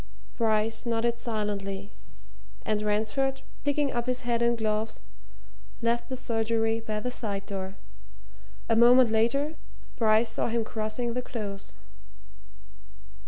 Bryce nodded silently, and Ransford, picking up his hat and gloves, left the surgery by the side door. A moment later, Bryce saw him crossing the Close.